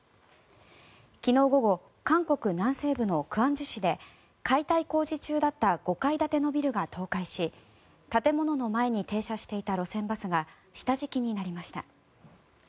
昨日午後、韓国南西部の光州市で解体工事中だった５階建てのビルが倒壊し建物の前に停車していた路線バスが下敷きになりました。